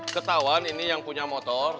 ketahuan ini yang punya motor